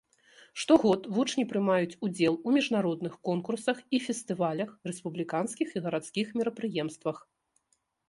Штогод вучні прымаюць удзел у міжнародных конкурсах і фестывалях, рэспубліканскіх і гарадскіх мерапрыемствах.